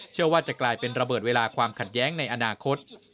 เชื่อว่าจะกลายเป็นระเบิดเวลาความขัดแย้งในอนาคต